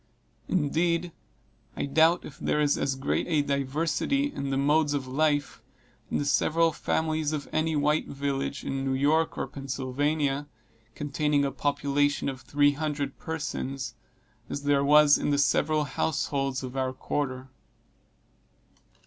Indeed, I doubt if there is as great a diversity in the modes of life, in the several families of any white village in New York or Pennsylvania, containing a population of three hundred persons, as there was in the several households of our quarter.